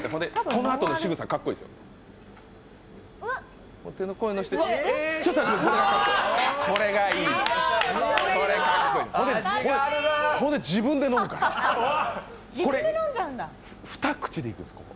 このあとのしぐさ、かっこいいですよ。